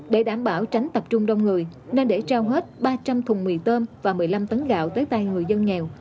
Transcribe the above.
để đảm bảo tránh tập trung đông người nên để trao hết ba trăm linh thùng mì tôm và một mươi năm tấn gạo tới tay người dân nghèo